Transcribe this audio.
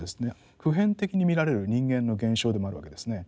普遍的に見られる人間の現象でもあるわけですね。